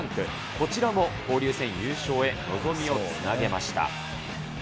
こちらも交流戦優勝へ望みをつなげました。